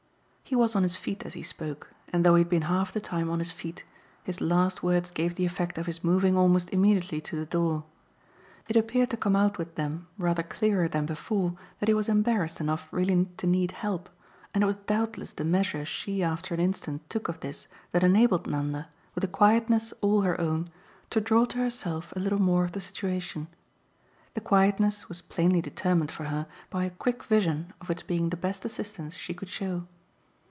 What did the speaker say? He was on his feet as he spoke, and though he had been half the time on his feet his last words gave the effect of his moving almost immediately to the door. It appeared to come out with them rather clearer than before that he was embarrassed enough really to need help, and it was doubtless the measure she after an instant took of this that enabled Nanda, with a quietness all her own, to draw to herself a little more of the situation. The quietness was plainly determined for her by a quick vision of its being the best assistance she could show.